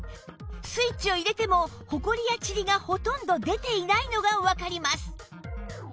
スイッチを入れてもホコリやチリがほとんど出ていないのがわかります